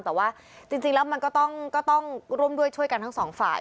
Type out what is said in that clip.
แต่ว่าจริงแล้วมันก็ต้องร่วมด้วยช่วยกันทั้งสองฝ่าย